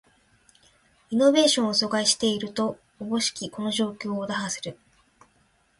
イノベーションを阻害していると思しきこの状況を打破する